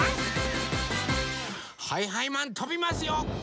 はいはいマンとびますよ！